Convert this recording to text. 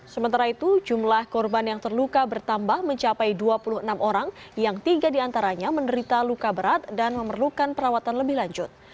sementara itu jumlah korban yang terluka bertambah mencapai dua puluh enam orang yang tiga diantaranya menderita luka berat dan memerlukan perawatan lebih lanjut